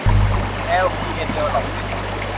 แอล พี เอ็น ดีเวลลอปเมนท์